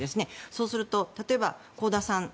そうすると例えば、香田さん